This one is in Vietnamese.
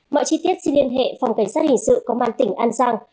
mọi chi tiết xin liên hệ phòng cảnh sát hình sự công an tỉnh an giang